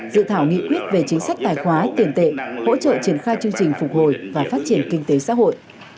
dự thảo nghị quyết về chính sách tài khóa tiền tệ hỗ trợ triển khai chương trình phục hồi và phát triển kinh tế xã hội